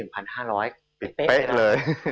ปิดเป๊ะเลย